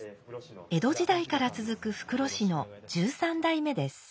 江戸時代から続く袋師の十三代目です。